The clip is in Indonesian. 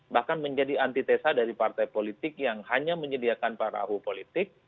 bahkan menjadi antitesa dari partai politik yang hanya menyediakan perahu politik